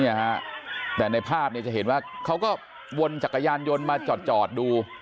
นี่อ่ะฮะแต่ในภาพจะเห็นว่าเค้าก็วนจักรยานยนต์มาจอดดู